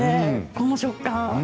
この食感。